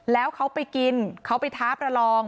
แล้วเขาไปกินเขาไปท้าประลอง